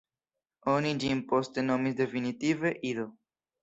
Oni ĝin poste nomis definitive "Ido".